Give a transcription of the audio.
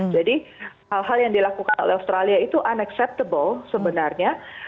jadi hal hal yang dilakukan oleh australia itu unacceptable sebenarnya